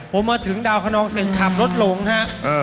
ผมมาถึงดาวคนองเสร็จขับรถหลงฮะ